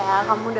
terima kasih ya